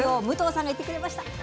武藤さんが行ってくれました。